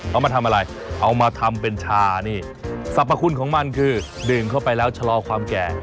เอามาทำอะไรเอามาทำเป็นชานี่สรรพคุณของมันคือดื่มเข้าไปแล้วชะลอความแก่